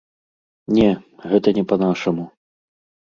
Не, гэта не па-нашаму.